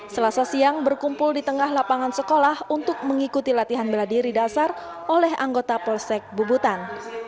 selasa siang berkumpul di tengah lapangan sekolah untuk mengikuti latihan bela diri dasar oleh anggota polsek bubutan